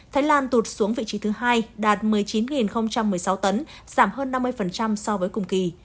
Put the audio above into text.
thái lan tụt xuống vị trí thứ hai đạt một mươi chín một mươi sáu tấn giảm hơn năm mươi so với cùng kỳ